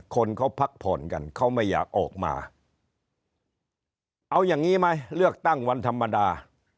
คนเขาพักผ่อนกันเขาไม่อยากออกมาเอาอย่างนี้ไหมเลือกตั้งวันธรรมดา